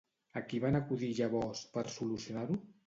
A qui van acudir llavors per solucionar-ho?